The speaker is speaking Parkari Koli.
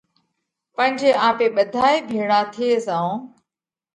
پڻ جي آپي ٻڌائي ڀيۯا ٿي زائون